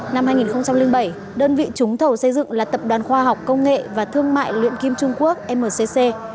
năm hai nghìn bảy đơn vị trúng thầu xây dựng là tập đoàn khoa học công nghệ và thương mại luyện kim trung quốc mcc